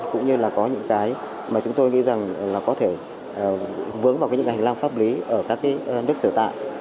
cũng như là có những cái mà chúng tôi nghĩ rằng là có thể vướng vào những hành lang pháp lý ở các nước sở tại